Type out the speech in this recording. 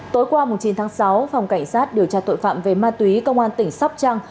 tối qua chín tháng sáu phòng cảnh sát điều tra tội phạm về ma túy công an tỉnh sóc trăng